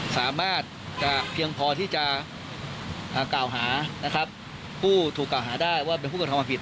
สามารถจะเพียงพอที่จะกล่าวหานะครับผู้ถูกกล่าวหาได้ว่าเป็นผู้กระทำความผิด